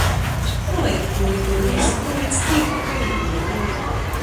Navajag tū nikur nest, nūlic tī, kur pajiemi...